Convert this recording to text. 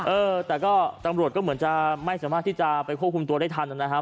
เออแต่ก็ตำรวจก็เหมือนจะไม่สามารถที่จะไปควบคุมตัวได้ทันนะครับ